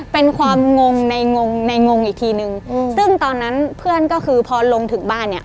เป็นความงงในงงในงงอีกทีนึงซึ่งตอนนั้นเพื่อนก็คือพอลงถึงบ้านเนี่ย